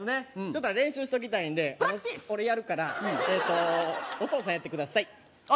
ちょっとあれ練習しときたいんでプラクティス俺やるからえっとお父さんやってください